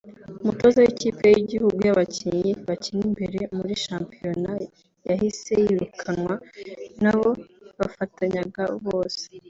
umutoza w’ikipe y’igihugu y’abakinnyi bakina imbere muri shampiyona yahise yirukanwa n’abo bafatanyaga bose